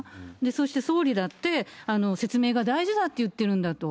そして総理だって説明が大事だって言ってるんだと。